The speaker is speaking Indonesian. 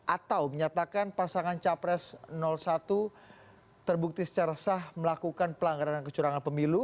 atau menyatakan pasangan capres satu terbukti secara sah melakukan pelanggaran dan kecurangan pemilu